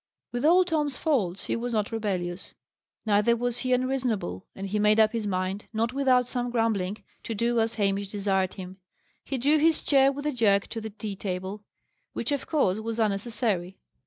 With all Tom's faults, he was not rebellious, neither was he unreasonable; and he made up his mind, not without some grumbling, to do as Hamish desired him. He drew his chair with a jerk to the tea table, which of course was unnecessary.